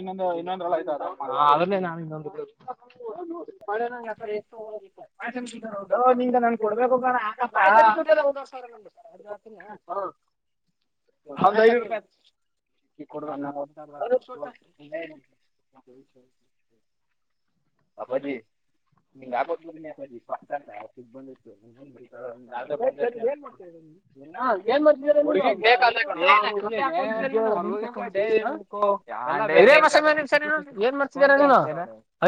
ಇನ್ನೊಂದು ಇನ್ನೊಂದ ಎ ಆಯ್ತ ಅದೇ ನಾನು ಇನ್ನೊಂದು ಮಳೆ ನನ್ ಕೊಡ್ಬೇಕು ಹೋಗಣ [inaudible] ದ ಸ ಅದು ರಾತ್ಿನ ನ ಹ ಹೌಐನೂರು ರೂಪಾಯಿ ಬಕ್ಕ್. ಅಜಿ ಹ ಆಗದ ಪಕ್ ಅಂತ ಸಿಗ್ ಬಂದಿತ್ತು ೋ [inaudible] [unintelligible] ಏನ್ ಮಾಡ್ತಿದ್ದಾರೆ ನೀನು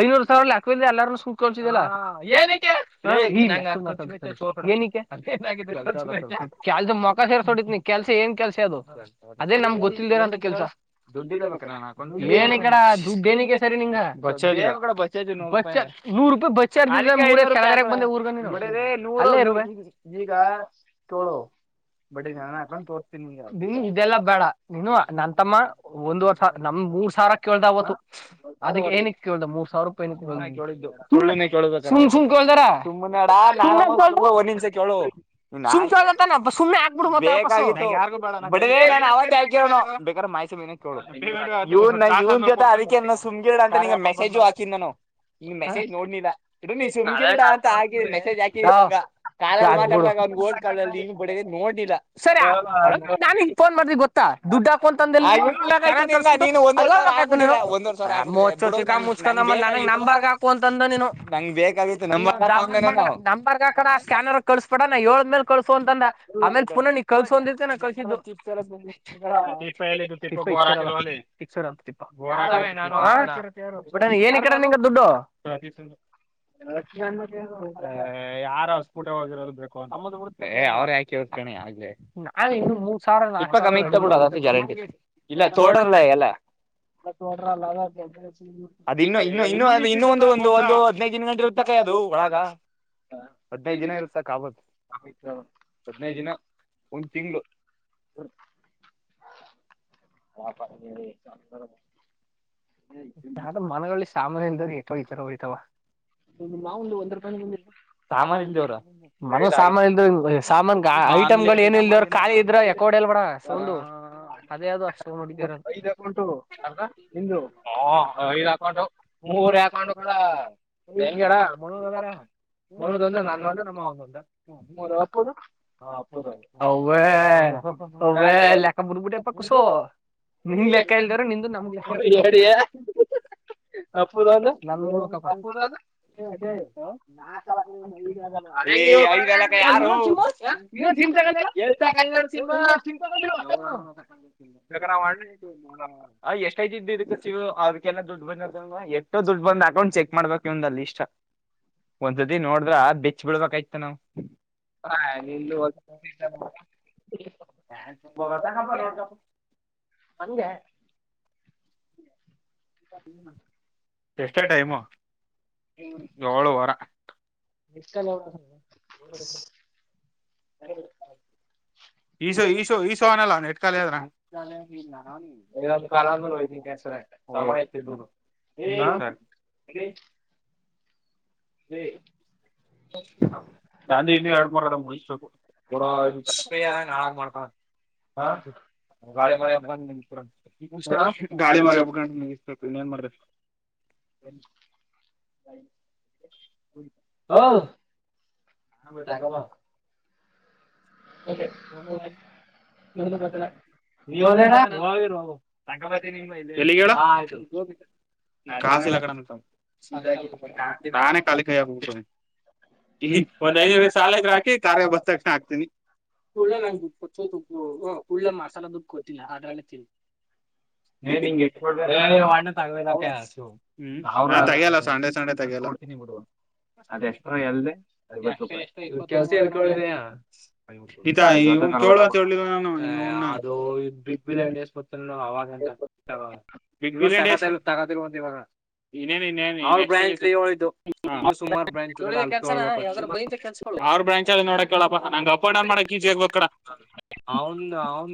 ಐನೂರು ಸಾವಿರ್ ಲೇಕ್ ವಿಲ್ಲಾ ಎಲ್ಲಾರ. [unintelligible] ಕೆಲ್ದ ಮೊಕಾ ಸೇರ್ ಹೊಡಿತನ ಕೆಲ್ಸ ಏನ್ ಕೆಲ್ಸ ಅದು ಅದೇ ನಮ್ಗ್ ಗೊತ್ತಿಲ್ದೇರಂತ ಕೆಲ್ಸ. [unintelligible] ನೂರು ರೂಪಾಯಿ ಬಚಾರ್ಗ್ [unintelligible] ನಡೆದೆ [unintelligible] ಈಗ ಕೆಳು ಬಡ್ಡೆದೇ ಅಕೌಂಟ್ ತೋರ್ತೀನಿ ಈಗ ನೀನು ಇದೆಲ್ಲಾ ಬೇಡ ನೀನು ನ ತಮ್ಮ ಒಂದ್ ವರ್ಷ ನಮ ಮೂರ್ ಸಾವಿರ ಕೇಳ್ದ ಅವತ್ತು ಅದಕ್ಕೆ ಏನಕ್ಕೆ ಕೇಳ್ದ ಮೂರ್ ಸಾವಿರ ರೂಪಾಯಿ ಏನಿಕ್ಕೆ ಕೇಳಿದ್ದು. ಕೇಳಾರ ಸುಮ್ ಕೇಳ್ದೆ ತಾನೆ ಸುಮ್ ಯಾಕೆ ಬಿಡ್ಬೇಕು ಬಸ್ಸು ಬೇಕಾಗಿತ್ತು ಬಿಡನೆ ನಾನ್ ಅವತ್ತೇ [unintelligible] [unintelligible] ಈ ಮೆಸೇಜ್ ನೋಡ್ನಿಲ್ಲಾ ಸುಮ್ಗಿರ್ಡಾ ಅಂತಾಕೆ ಮೆಸೇಜ್ ಹಾಕಿದಗ. ಸಾಕು ಬುಡು [unintelligible] ಕಾಲಲ್ಲಿ ನೋಡ್ಲಿಲ್ಲ ಸರಿ ನಾಂಗ ಫೋನ್ ಮಾಡಿದಿ ಗೊತ್ತಾ. ದುಡ್ಡಾಕಂತಂದ ಮುಚ್ [unintelligible] [unintelligible] ನಂಬರ್ ಹಾಕು ಅಂತಂದ [unintelligible] [unintelligible] ನ ಬ ನಂಬರ್ ಹಾಕಣ್ಣ ಸ್ಕ್ಯಾನರ್ ಕಳ್ಸಬೇಡಣ ನ ಏಳದ್ಮೇಲೆ ಕಳ್ಸೋ ಅಂತಂದ್ರ ಆಮೇಲೆ ಪುನಃ ನೀ ಕಳ್ಸು ಅಂದಿಕ್ಕೆ ನಾ ಕಳಿಸಿದ್ದು. [unintelligible] ಪುಟ್ಟಣ್ಣ ಎನಿಕರ ನಿಂಗ ದುಡ್ಡು [unintelligible] [unintelligible] ಯಾರೆ [unintelligible] ಏ ಅವ್ರೇ ಹಾಕಿರೋದ್. ಕಣೆ ಆಗ್ಲೇ ನಾನ್ ಇನ್ನೊ ಮೂರ್ ಸಾವಿರಪ. [unintelligible] ಅದ ಇನ್ನು ಇನ್ನು ಇನ್ನು ಇನ್ನುಂದು. ಒಂದು ಒಂದು ಹದ್ನೈದು ದಿನ ಗಂಟೆ ಇರ್ತ್ತಕ್ಕ ಅದು ಒಳಾಗ. ಹದ್ನೈದು ದಿನ ಇರುತ್ತ ಸಾಕ್ [unintelligible] ಹದ್ನೈದು ದಿನ. ಒಂದ್ ತಿಂಗಳು. ಪಾಪ [unintelligible] ಯ ಮನಗಳಲ್ಲಿ ಸಾಮಾನ್ಯ [unintelligible] ಇತಯತಾರ ಹೊಯಿತವ [inaudible] [unintelligible] ಸಾಮಾನ್ಯ ದೇವ್ರ ಮೊದ್ಲು ಸಾಮಾನ್ ದದ ಅದು ಸಾಮಾನ ಸಾಮನ್ ಗಳು ಏನ ಇಲ್ದ ಖಾಲಿ ಇದ್ರ ಎಕೋ ಹೊಡಿಯಲ್ವಾ ಅಣ್ಣ ಸೌಂಡು. ಅದೇ ಅದು ಅಷ್ಟ ದಮ್ ಹೊಡೀತಾ ಇರೋದು. ಹ ಐದು ಅಕೌಂಟ್ ಮೂವರು ಅಕೌಂಟ್ ಕೂಡ ಹೆಂಗೆಡ. ಒಂದೊಂದು ಒಂದೇ ನಂದ ಒಂದ ನಮ್ ಅವ್ವಂದ್ ಒಂದ್ ಹ್ಮ್ ನಿಮ್ ಅಪ್ಪನದು ನಮ್ ಅಪ್ಪಂದು ಒಂದ್ ಹವೇ ಅವ್ವೆ ಲೆಕ್ಕ ಬೂಟ್ ಬೂಟ್ ಫಾ ಕೂಸು. ನಿಮ್ ಲೆಕ್ಕಾ ಇಲ್ದಾರ ನಿಂದು ನಮ್ಗ್ ಲೆಕ್ಕ [inaudible] [inaudible] [unintelligible] ಹೇ ಐದಲ್ಲ ಕಾಲ ಆರು [unintelligible] ಸಿಮ್ ತಗೋಂದಿಲ್ವ ವಸದಾಗ್ ನೀನು. ಎಷ್ಟ ಆಯ್ತ ಇದಿದ್ಕ್ಕೆ ಅವ್ರಕ್ಕೆಲ್ಲ ದುಡ್ಡು ಬಂದದಲ್ವಾ ಎಷ್ಟೋ ದುಡ್ಡು ಬಂದ್ ಅಕೌಂಟ್ ಚೆಕ್ ಮಾಡ್ಬೇಕು ಇವಂದ ಲಿಸ್ಟ್. ಒಂದ್ ಸತಿ ನೋಡಿದ್ರ ಬೆಚ್ಚ ಬಿಳ್ಬೇಕಯ್ತ ನಾವು. [unintelligible] [unintelligible] ಅಂಗೆ ಎಷ್ಟೇ ಟೈಮ ಏಳು ವರೆ ಈಸೋ ಈಸೋ ಈಸೂ ಅನಲ್ಲ [unintelligible] ಆದ್ರ [unintelligible] ಇದೊಂದ್ ಕಾಲ ಆದ್ಮೇಲೆ ಹೋಯ್ನಿ ಹೆಸರ ಸಮ ಆಯ್ತು ಇಬ್ಬ್ರುದು. ಹ ಹ ನಂದಿ ಇನ್ನ ಎರಡು ಮಾಡದ ಮುಗರ ನಾಳಾಗ ಮಾಡ್ತ ಹ ಗಾಿ ಮರಿಬ್ ಗಾಳಿ ಮರಿ ಹಬ್ಬಂಡ ಇನ್ನ ಏನ್ ಮಾಡ್ರ ಹಾ ಹ ತಕವಾ ನಿ ಬ ನೀವ ತಗಪತಿ ನಿ ಕಾಸಿಲ್ಲ ಕಣ ನಾನೆ ಖಾಲಿ ಕೈಯಗ್ಗ ಕುಂತಾವ್ನಿ ಒಂದ್ ಐದ್ ನೂರ್ ಸಾಲ ಇದ್ರೆ ಹಾಕಿ ಕಾರ್ಯ ಬಂದ್ ತಕ್ಷಣ ಹಾಕ್ತೀನಿ. ಕುಳ್ಳ ನಂಗ ದುಡ್ ಕೊ ಹ ಪುಳ್ಳ ಮಸಾಲಾ ದುಡ್ಡು ಕೊಲ್ಲ ಅದ್ರಲ್ಲೇ ತಿನ್ ನನ್ ತಗಿಯಲ್ಲ ಸಂಡೆ ಸಂಡೆ ತಗಿತಿನಿ ಎಲ್ಲಾಡ್ತೀನಿ ಬಿಡ ಅದ ಎಷ್ಟರ ಅಲ್ದೆಸ ಹಳ್ಕೊಂಡಿದಯ ಇವ್ನು ಕೇಳು ಅಂತ ಹೇಳ್ಲಿಲ್ವೆ ನಾನು ಹೇ ಅದು ಬಿಗ್ಬೋಲಿಯಂ ಡೇಸ್ ಬಂತಲ್ಲ ಅವಾಗಂತ ತಗೋದ ಬಂದ ಇವಾಗ ಇನ್ನೇನ್ ಇನ್ನ ಇ ಸುಮಾರು ಬ್ರಾಂ್ರಾಂೋ ನ ಆಪ್ ಅಂಡ್ ಡೌನ್ ಮಾಡಕ್ ಈಜೆ ಆಗ್ಬೇಕು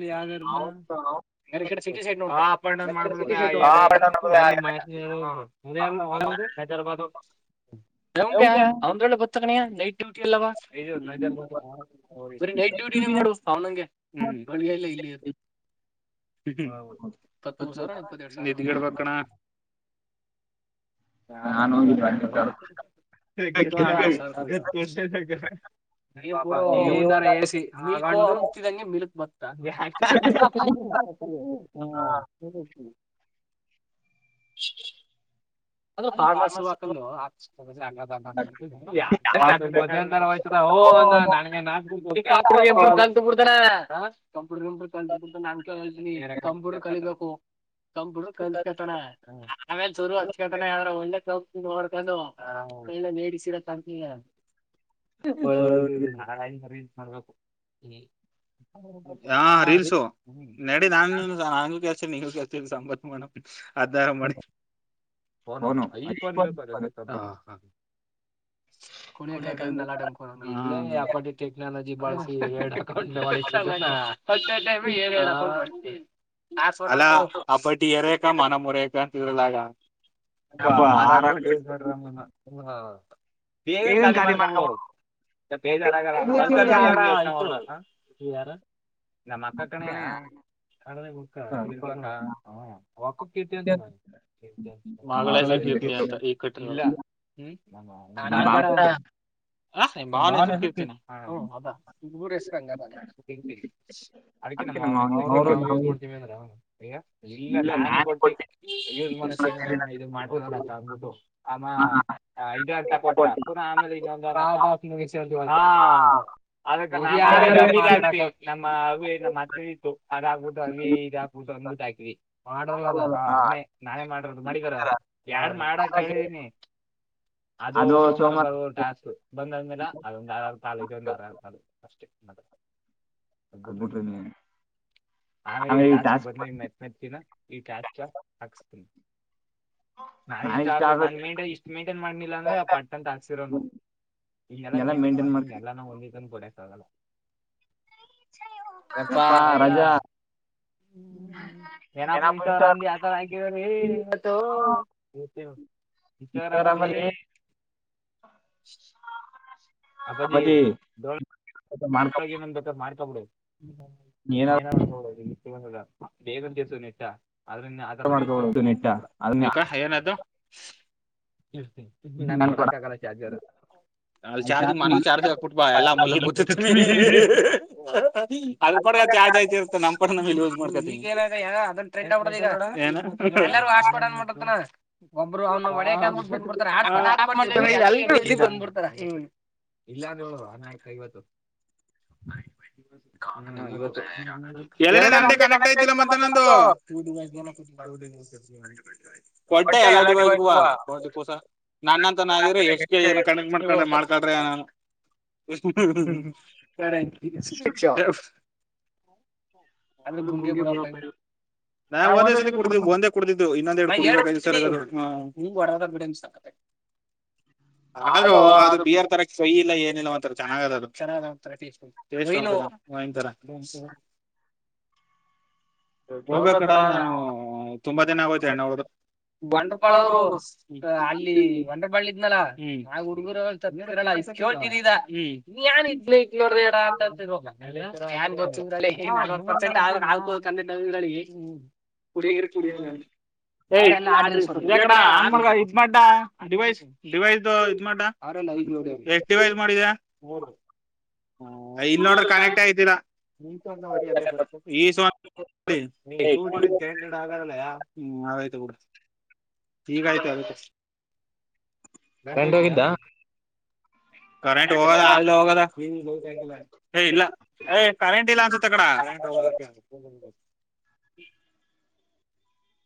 ಯ ಅಪ್ನ್ ಮಾಡ್ಬಏ ಹೈದರಾಬಾದ್ ಅವಂದ್ರೊಳೆ ಗೊತಣಯ ನೈಟ್ ಡ್ಯೂಟಿ ಅಲ್ಲವಾ ಹ ಬೀ ನೈಟ್ ಡ್ಯೂಟಿ ನೀ ಮಾಡುವ ಅವ್ನಂಗೆ ಹ್ಮ ಬೆಳಯಲ್ಲ ಇಲ್ಲಿ ನಿಡ್ಗೆಡ್ಬೇಕ್ ಕಣ ಆನ ಅ ಹ ನೀ ಮುಂದಾರ ಎಸ ನೀತಿದಂಗೆ ಮಲಕ್ ಬತ್ತ ಹಾ ಅದು ಫಾರ್ಮ್ಯಾಲ್ ಶೂ ಅಕೊಂಡು ಓ ಅಂದ ನನ್ಗೆ ನಾಕ ಬಿಡ್ತಾನ ಹ ಕಂಪ್ಯೂಟರ್ಂಪೂ ಕಲ್ಿು ನಾನ್ ಕೇಳಳ್ತಿನನ ಕಂಪ್ಯೂಟರ್ ಕಲಿಬೇಕು ಕಂಬಳ ಕಲ್ಪತೋಣ ಆಮೇ ಚೋರು ಒಳ್ಳೆ ಕ ನೋರ್ಕ ಒಳ್ಳೆ ನಡಿಿಸಿಡ ಳಳ ನ ಮಾಡಬೇಕ್ಮ ಹಾ ರೀಲ್ಸು ನಡಂಗ [unintelligible] ನೀತ ಸಂಾಮ ಮಾಡ ಆಧಾರ ಮಾಡೆ [unintelligible] ನುೋ ಐಫನ್ ಬೇಕ ಅ ಹ [unintelligible] ಕುಣಿಯಕಾಗದ ನಲಾ ಡಂಕ ಅಪಟ ಟೆಕ್ನಾಲಜಿ ಬಳಸಿ ಕನ್ನಡ ಅಲ್ಲ ಅಪ್ಪಟ್ಟಿ ಎರೇಕ ಮನ ಮುರೇಕ ಲ್ಲ ಅ ಆರಟ್ಟ ಯ ನೋಡ್ರಮ್ಮ [unintelligible] ೇಗನ್ ಕ್ಯಿ ಮಾಡ್ಕೊಂಬಡು ಬೇಜಾರ [unintelligible] ನಮ್ಮ್ ಅಕ್ಕ ಕಣೆಯ ಕಡ ಕುಕ್ಕ ಒಕ್ಕೊ ಕೀರ್ತಚು ನ ಕೀರ್ಂ ಮಗಳಾಯಿಸಕ್ಕೆ ಇರ್ತಿ ಅಂತ ಈ ಕಟ್ಟನೆ್ಮ ಹ ಬಾಳ ನೆಸಕ್ ಇರ್ತನ ಅದಾ [unintelligible] ಹೆಸಂಗ ಅ ನ ನಾವು ಯೂಸ್ ಮಾಡ್ತೀವಿ ಅಂದ್ರ ಅಯ್ಯ ಇಲ್ಲ ನಾನೇ ಕೊಟ್ಟು ಇ ಮನಸ ಇದ ಮಾಡ್ ಅಂದ್ಬಿಟ್ಟು ಆಮ ಇದು ಅಂತ ಕೊಟ್ಟ ಪೂರಾ ಆಮೇಲೆ ಇನ್ನೊಂದ ಹಾ ನಮ್ಮ ಅ ನಮ್ಮ ಅತ್ತ ಇತ್ತು ಅದಬಿು ಅ ಇದ ಹಾಕ್ಬು [unintelligible] ಒಂದುತ್ ಹಾಕವಿ [unintelligible] ಮಾಡ್ರಲ್ಲ ಅದ ಹ ಅನ್ನೆ ನಾನೇ ಮಾಡ್ರದು ಮಾಡಗಾರ ಯಾರಮಾಡ ಕೇಳಿದೀನಿ ಅದು ಸೋಮವಾರ ಬರುವ ಟ್ಯಾಸ್ಕ್ ಬಂದಾದ್ಮೇಲೆ ಅದೊಂದ್ ಆರ ತಾಲು ಇದೊಂದ್ ಆರಾರ ತಾಲು ಅಷ್ಟೆ ಮದ ಆಗ್ಬಿಟ್ರಿ ನೀನ್ ಆಮೇಲೆ ಈ ಟಾಸ್ಕ್ ಬಂದನ ಮತ್ ಮತ್ ದಿನ ಈ ಟಾಸ್ಕ್ ಹಾಕ್ಸ್ತನಿ ನಾನ ಇಷ್ಟ ಆಗ ನಾನ್ ಮೇಂಟೈನ್ ಇಷ್ಟ್ ಮೇಂಟೈನ್ ಮಾಡ್ನಿಲ್ಲ ಅಂದ್ರ ಪಟ್ಟ ಅಂತ ಅನ್ಸಿರೋನು ಈಗೆಲ್ಲ ಮಂಟೈನ್ ಮಾಡ್ತೀನಿ ಎಲ್ಲಾ ಒಂದಂದ ಕೊಡಕ್ ಆಗಲ್ಲ ಪಪ್ಪಾ ರಾಜಾ ಹ್ಮ ಏನಪ್ಪ ಈಸರಾಮ್ದ ಯಾತರ ಹಾಕಿದ್ರೀ ಇಚವ ರಂಗಾಲ [unintelligible] ಹ [unintelligible] ಅಪ್ಪಾಜಿ ದೊಳ ಒಳಗ ಏನಂದ್ ಬೇಕಾದ ಮ್ಕೊಬಿ ಏನಾದ [unintelligible] ು ಬೇವಂತಸ ನೆಟ್ಟ [unintelligible] ಅದ್ರಿಂದ ಅದ ರೀಲ್ಸ್ ನೋಡ್ಕೋಬೇಕು ಮೊದ್ಲು ಯಕ ಏನಾಯ್ತು ಹ್ಮ ನನ್ ಕೊಡಾಕ್ ಆಗಲ್ಲ ಚಾಜಿಯರ ಅಲ್ಲಿ ಚಾರ್ಜ್ ಮನಲಿ ಚಾರ್ಜಿ ಹಕ್ಬಿಟ್ ಬಾ ಎಲ್ಲ ಮೂಲೆ ಕೂತಿರ್ತೀವಿ ಅದ ಪಡೆ ಚಾರ್ಜ್ ಆಯ್ತಿ ಇರುತ್ತೆ ನಮ್ಮ್ ಪಡೆ ಯೂಸ್ ಮಾಡ್ಕ [unintelligible] ಹ ಅದ ಟ್ರೆಂಡ್ ಆಗಿಬಿಟ್ಟಿದೆ ಈಗ ಎಲ್ಲಾರೂ ಆಟ ಮಾಡಡನ್ ಮಾಡತತನ ಒಬ್ಬರು ಅವನ ಒತ [unintelligible] ಡ್ತ ಇಲ್ಲ ನ ಅಯ್ಕ ಇವತ್ತು [unintelligible] ಇವತ್ತು ಎಲ್ಲಡೆ ನಂದೇ ಕನೆಕ್ಟ್ ಆಯ್ತಿಲ್ಲ ಮತ್ತೆ ನಂದು ಕೊಟ್ಟೆ ಎಲ್ಲ ಡಿವೈಸ್ ಬುವ ಕೋಸ ನನ್ನಂತ ನಗಿದ್ರ ಎಷ್ಟ್ ಕೆ ಏನ ಕಣಕ್ ಮಾಡಕ ಮಾಡ್ಕಳ್ರಿ ನಾನು ಕ [unintelligible] ಅಲ್ಲು ಗುಂಗೆ ಬಿಡೋ ಪೈಕಿ ನಾಒಂದೇ ಸರ್ತಿ ಕುಡತಿದಿದ್ದು ಒಂದೇ ಕುಡತಿದ್ದು ಇನ್ನೊಂದೆರ [unintelligible] ಹ ವಡರ ಬಿಡಮ ಸಾಗತ ಹಾಗು ಅದು ಬಿಯಾರ್ ತರ ಸಯ ಇಲ್ಲ ಏನಿಲ್ಲ ಒಂತ ಚಾಗದ ಂತರ ಹೋಗೋ ಕಡ ನಾವು ತುಂಬಾ ದಿನ ಆಗೋತೆ ಅಣ್ಣ ಅವರು ಬಂಡರ್ ಬಾಳ ಅವರು ಅಲ್ಲಿ ವಂಡ್ರ ಬಾಳ ಇದ್ನಲ್ಲ ನ ಹುರ್ಗಿರ ಚೋರ್ಟಿದ್ದೀದಾ ಹ್ಮ್ ನ್ ಇಡ್ ಇ ನವಳಿಗೆ ಹ್ಮ ಕುಡಿಯಗ ಕುಡಿಯ ಆ ಇದ್ ಮಾಡಡ ಡಿವೈಸ್ ಡಿವೈಸ್ ಇದ್ ಮಾಡಡ ಕ್ಟಿವೈಸ್ ಮಾಡಿದ ಹ ಇಲ್ಲಿ ನೋಡ್ರ ಕನೆಕ್ಟ್ ಆಯ್ತಿರಾ ಈ ಟ್ ಇವನ್ ಗ್ಯಾಂಡ್ರಡ್ ಆಗಾರಲ್ಲಯಾ ಹ್ಮ್ ಅದಾಯ್ತು ಕುಡ ಗ ಆಯ್ತು ಅದತ ನಂ ಹೋಗಿದ್ದ ಹೋಗದ ಆ ಹೋಗದ ಇಲ್ಲ ಏ್ರಟ್ ಇಲ್ಲ ಅನ್ಸೆ ಕಡರೆ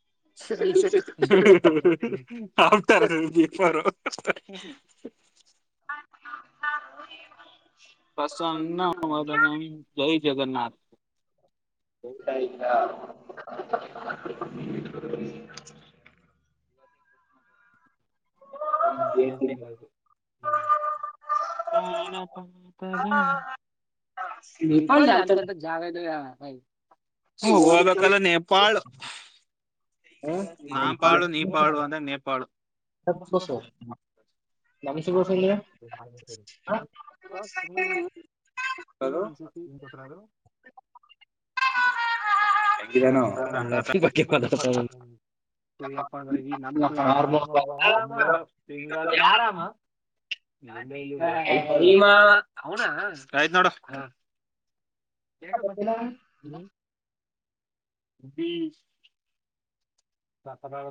[unintelligible] [unintelligible] [unintelligible] ಪ್ರಸನ್ನ ವದನಮ್ ಜಯ್ ಜಗನ್ನಾಥ್ [unintelligible] ಹ್ಮ [unintelligible] ಪಾನ ಪಂತದ [unintelligible] ಅಂತದ್ ಜಾಗ ಇದ್ರೆ ಹೇಳ್ [unintelligible] ನೇಪಾಳ್ [unintelligible] ನಮ್ ಸಾವಾಸಂದ್ರೆ [unintelligible] ಹ ಇಂತಖರಬ [inaudible] ಂತ ಹ್ಮ ವ್ ಈ ಮಾವ ಅವ್ನ ಆಯ್ತ್ ನೋಡು ಆ [unintelligible] [unintelligible]